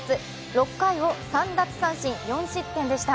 ６回を３奪三振４失点でした。